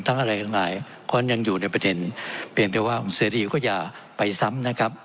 ทั้งอะไรทั้งหลายก็ยังอยู่ในประเด็นเพียงแต่ว่าคุณเสรีก็อย่าไปซ้ำนะครับ